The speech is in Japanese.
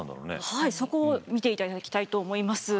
はいそこを見ていただきたいと思います。